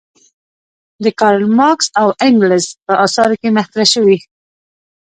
د کارل مارکس او انګلز په اثارو کې مطرح شوې.